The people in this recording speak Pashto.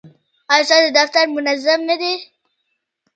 ایا ستاسو دفتر منظم نه دی؟